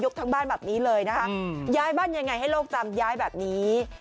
ทั้งบ้านแบบนี้เลยนะคะย้ายบ้านยังไงให้โลกจำย้ายแบบนี้